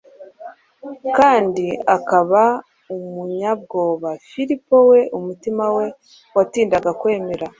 kandi akaba umunyabwoba, Filipo we umutima we watindaga kwemera